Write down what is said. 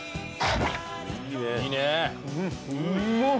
うまっ。